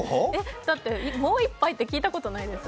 だってもう一杯って聞いたことないですよ。